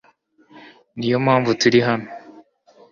niyo mpamvu turi hano